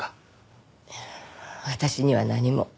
私には何も。